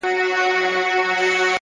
د زړه صفا د وجدان رڼا ده!